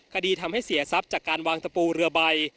คดีทำให้เสียทรัพย์จากการวางตะปูเรือใบ